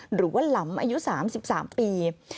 หรือว่าหลำอายุสามสิบสามปี